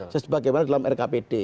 sebagai mana dalam rkpd